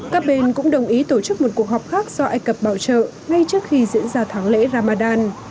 các bên cũng đồng ý tổ chức một cuộc họp khác do ai cập bảo trợ ngay trước khi diễn ra tháng lễ ramadan